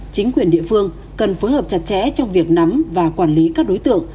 chính quyền địa phương cần phối hợp chặt chẽ trong việc nắm và quản lý các đối tượng